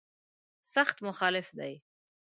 سخت مخالف دی.